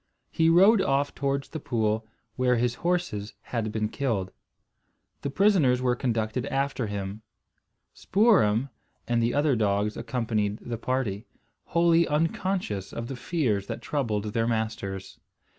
He rode off towards the pool, where his horses had been killed. The prisoners were conducted after him. Spoor'em and the other dogs accompanied the party, wholly unconscious of the fears that troubled their masters.